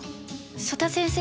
曽田先生